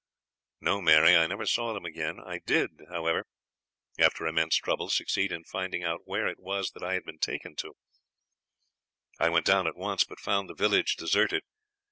"No, Mary, I never saw them again. I did, however, after immense trouble, succeed in finding out where it was that I had been taken to. I went down at once, but found the village deserted.